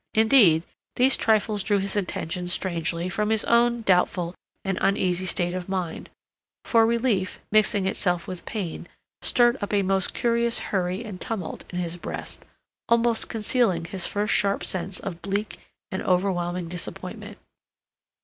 Indeed, these trifles drew his attention strangely from his own doubtful and uneasy state of mind; for relief, mixing itself with pain, stirred up a most curious hurry and tumult in his breast, almost concealing his first sharp sense of bleak and overwhelming disappointment.